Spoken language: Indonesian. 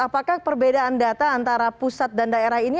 apakah perbedaan data antara pusat dan daerah ini